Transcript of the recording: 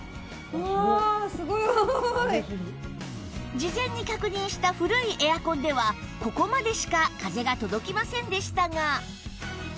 事前に確認した古いエアコンではここまでしか風が届きませんでしたが